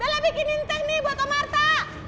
bella bikinin teh nih buat kemarta